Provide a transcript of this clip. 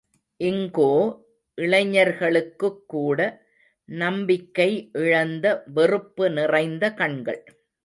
இங்கோ, இளைஞர்களுக்குக்கூட, நம்பிக்கை இழந்த, வெறுப்பு நிறைந்த கண்கள்.